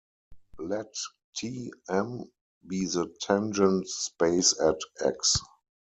Let "T"M" be the tangent space at "x".